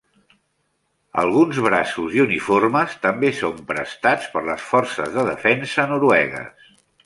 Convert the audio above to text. Alguns braços i uniformes també són prestats per les forces de defensa noruegues.